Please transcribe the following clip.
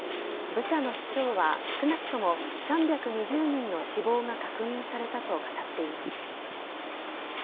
ブチャの市長は、少なくとも３２０人の死亡が確認されたと語っています。